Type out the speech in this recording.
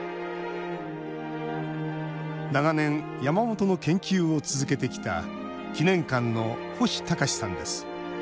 長年山本の研究を続けてきた記念館の星貴さんです。